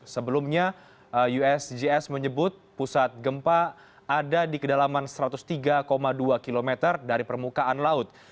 sebelumnya usgs menyebut pusat gempa ada di kedalaman satu ratus tiga dua km dari permukaan laut